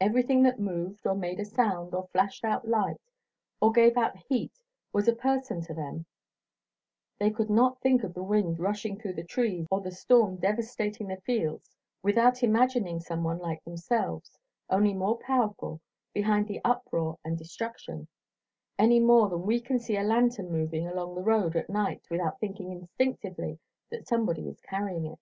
Everything that moved, or made a sound, or flashed out light, or gave out heat was a person to them; they could not think of the wind rushing through the trees or the storm devastating the fields without out imagining someone like themselves, only more powerful, behind the uproar and destruction, any more than we can see a lantern moving along the road at night without thinking instinctively that somebody is carrying it.